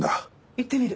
行ってみる。